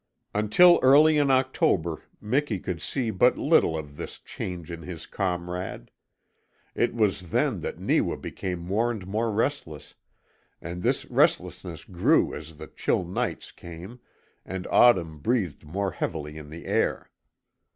Until early in October Miki could see but little of this change in his comrade. It was then that Neewa became more and more restless, and this restlessness grew as the chill nights came, and autumn breathed more heavily in the air.